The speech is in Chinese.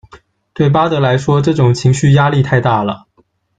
对巴德来说，这种情绪压力太大了。